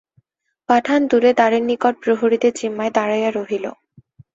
পাঠান দূরে দ্বারের নিকট প্রহরীদের জিম্মায় দাঁড়াইয়া রহিল।